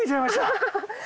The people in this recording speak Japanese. アハハハ。